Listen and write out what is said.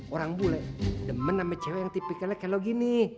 orang bule demen sama cewek yang tipikalnya kalau gini